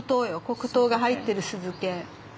黒糖が入ってる酢漬け。